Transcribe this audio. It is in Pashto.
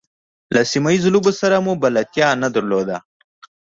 له سیمه ییزو لوبو سره مو بلدتیا نه درلوده.